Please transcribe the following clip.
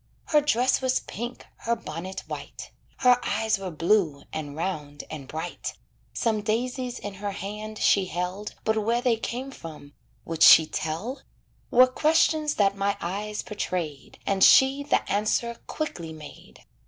Her dress was pink, her bonnet white. Her eyes were blue, and round, and bright, Some daisies in her hand she held But where they came from would she tell? Were questions that my eyes portrayed, And she the answer quickly made.